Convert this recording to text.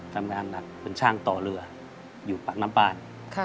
ทำงานหนักเป็นช่างต่อเรืออยู่ปากน้ำบาน